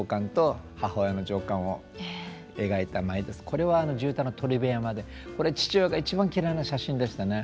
これは地唄の「鳥辺山」でこれ父親が一番嫌いな写真でしたね。